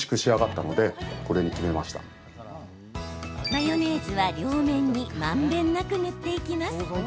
マヨネーズは両面にまんべんなく塗っていきます。